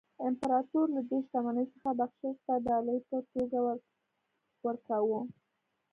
امپراتور له دې شتمنۍ څخه بخشش د ډالۍ په توګه ورکاوه.